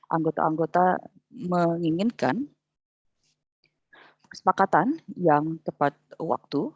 anggota anggota menginginkan kesepakatan yang tepat waktu